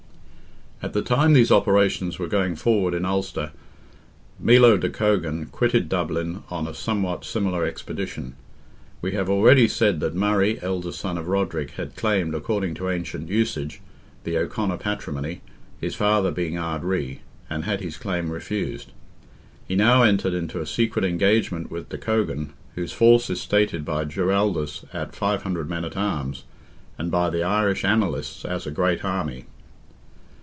At the time these operations were going forward in Ulster, Milo de Cogan quitted Dublin on a somewhat similar expedition. We have already said that Murray, eldest son of Roderick, had claimed, according to ancient usage, the O'Conor patrimony, his father being Ard Righ; and had his claim refused. He now entered into a secret engagement with de Cogan, whose force is stated by Giraldus at 500 men at arms, and by the Irish annalists as "a great army."